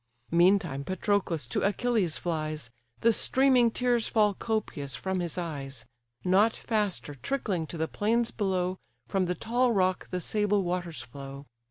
Meantime Patroclus to Achilles flies; The streaming tears fall copious from his eyes. Not faster, trickling to the plains below, From the tall rock the sable waters flow.